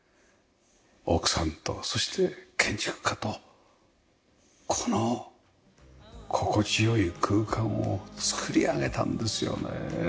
奥さんとそして建築家とこの心地良い空間を作り上げたんですよね。